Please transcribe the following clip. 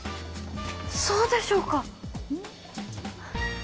そうでしょうか？